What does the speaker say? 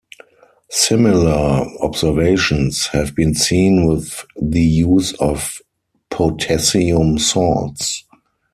Similar observations have been seen with the use of potassium salts.